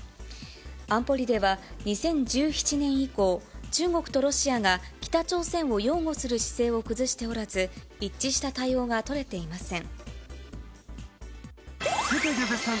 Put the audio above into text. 安保理では２０１７年以降、中国とロシアが北朝鮮を擁護する姿勢を崩しておらず、一致した対応が取れていません。